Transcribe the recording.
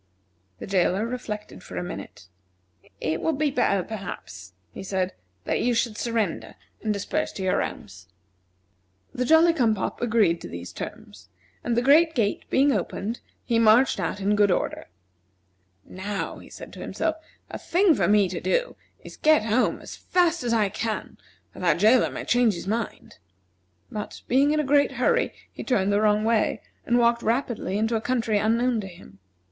The jailer reflected for a minute. "It would be better, perhaps," he said, "that you should surrender and disperse to your homes." The Jolly cum pop agreed to these terms, and the great gate being opened, he marched out in good order. "Now," said he to himself, "the thing for me to do is to get home as fast as I can, or that jailer may change his mind." But, being in a great hurry, he turned the wrong way, and walked rapidly into a country unknown to him.